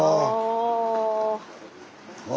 あ。